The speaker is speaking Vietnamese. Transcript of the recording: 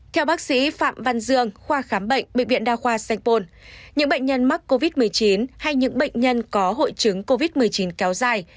theo bác sĩ phạm văn dương khoa khám bệnh bệnh viện đa khoa sanh pôn những bệnh nhân mắc covid một mươi chín hay những bệnh nhân có hội chứng covid một mươi chín kéo dài